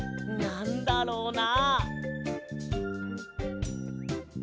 なんだろうな？